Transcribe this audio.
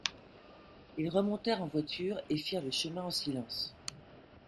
Ils remontèrent en voiture et firent le chemin en silence.